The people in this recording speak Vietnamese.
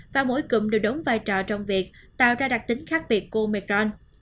và mỗi cụm đều đống vai trò trong việc tạo ra đặc tính khác biệt của omicron